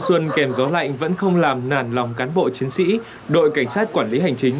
những cơn mưa xuân kèm gió lạnh vẫn không làm nàn lòng cán bộ chiến sĩ đội cảnh sát quản lý hành chính